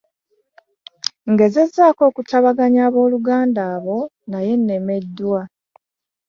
Ngezezaako okutabaganya abaoluganda abo naye nnemeddwa.